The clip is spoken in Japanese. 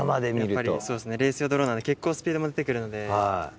そうですね、レース用ドローンなんで、結構スピードも出てくるんで。